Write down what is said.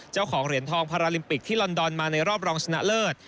เจ้าของเหรียญทองพาราลิมปิกที่ลอนดอนมาในรอบรองชนะเลิศ